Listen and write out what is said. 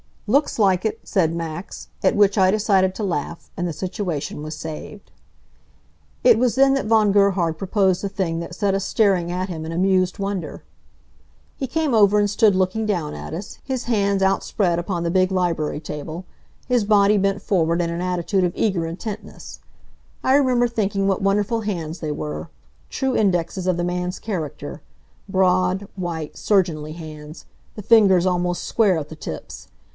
"Looks like it," said Max, at which I decided to laugh, and the situation was saved. It was then that Von Gerhard proposed the thing that set us staring at him in amused wonder. He came over and stood looking down at us, his hands outspread upon the big library table, his body bent forward in an attitude of eager intentness. I remember thinking what wonderful hands they were, true indexes of the man's character; broad, white, surgeonly hands; the fingers almost square at the tips.